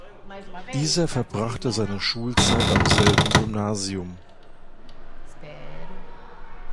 Dieser verbrachte seine Schulzeit am selben Gymnasium.